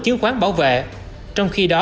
chứng khoán bảo vệ trong khi đó